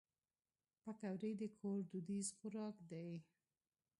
پکورې د کور دودیز خوراک دی